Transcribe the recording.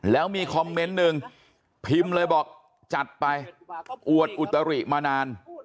แล้วมีคอมเมนต์หนึ่งพิมพ์เลยบอกจัดไปอวดอุตริมานาน